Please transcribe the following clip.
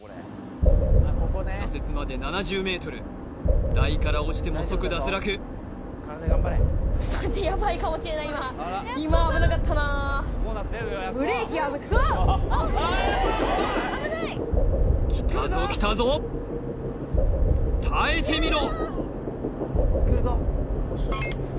左折まで７０ｍ台から落ちても即脱落ちょっと待ってやばいかもしれない今今危なかったなブレーキうわっきたぞきたぞ耐えてみろ！